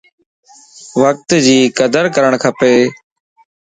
وقت جي قدر ڪرڻ کپ